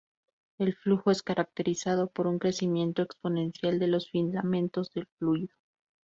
El flujo es caracterizado por un crecimiento exponencial de los filamentos de fluido.